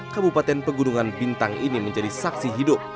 kabupaten pegunungan bintang ini menjadi saksi hidup